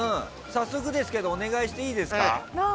早速ですけどお願いしていいですか。